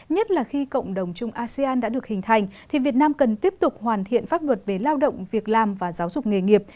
nhất là khi cộng đồng chung asean đã được hình thành thì việt nam cần tiếp tục hoàn thiện pháp luật về lao động việc làm và giáo dục nghề nghiệp